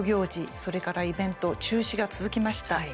それからイベント中止が続きました。